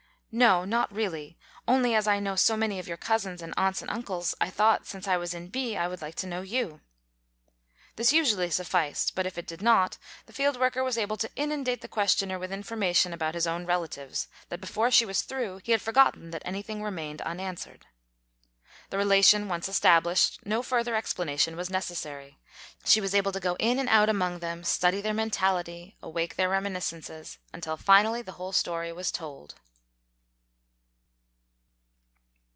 "No, not really, only as I know so many of your cousins and aunts and uncles, I thought, since I was in B , I would like to know you." This usually sufficed, but if it did not, the field worker was able so to inundate the questioner with information about his own relatives, that before she was through, he had for gotten that anything remained unanswered. The re lation once established, no further explanation was necessary. She was able to go in and out among them, study their mentality, awake their reminiscences, until finally the whole story was told.